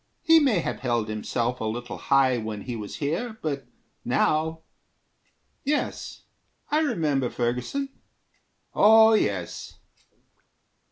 He may have held himself A little high when he was here, but now ... Yes, I remember Ferguson. Oh, yes."